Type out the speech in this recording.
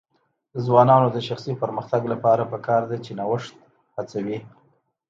د ځوانانو د شخصي پرمختګ لپاره پکار ده چې نوښت هڅوي.